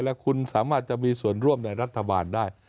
และคุณสามารถจะมีส่วนร่วมในรัฐบาลได้